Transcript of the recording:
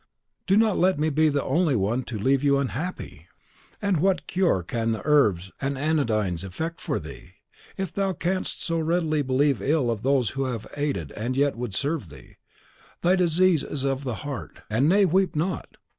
"Do not let me be the only one you leave unhappy!" "And what cure can the herbs and anodynes effect for thee? If thou canst so readily believe ill of those who have aided and yet would serve thee, thy disease is of the heart; and nay, weep not!